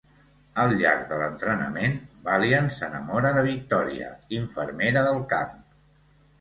Al llarg de l'entrenament, Valiant s'enamora de Victoria, infermera del camp.